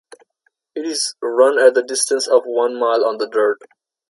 It is run at the distance of one mile on the dirt.